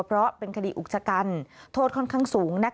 เพราะเป็นคดีอุกชกันโทษค่อนข้างสูง